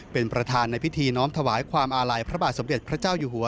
เป็นประธานในพิธีน้อมถวายความอาลัยพระบาทสมเด็จพระเจ้าอยู่หัว